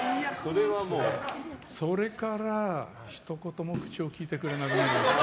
それから、ひと言も口をきいてくれなくなりました。